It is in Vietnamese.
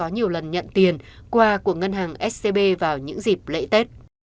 nhiều lần nhận tiền qua của ngân hàng scb vào những dịp lễ tết